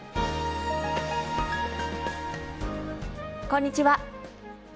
こんにちは。